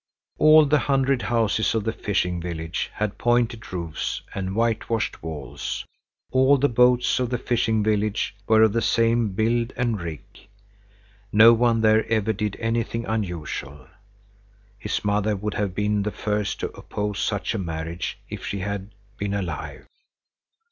All the hundred houses of the fishing village had pointed roofs and whitewashed walls; all the boats of the fishing village were of the same build and rig. No one there ever did anything unusual. His mother would have been the first to oppose such a marriage if she had been alive.